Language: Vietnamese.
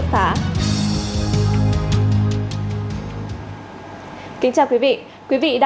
xin chào quý vị